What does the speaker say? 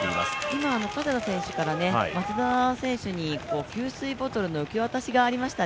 今、加世田選手から松田選手に給水ボトルの受け渡しがありました。